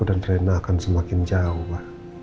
dan rena akan semakin jauh ma